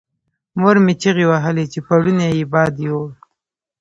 مور مې چیغې وهلې چې پوړونی یې باد یووړ.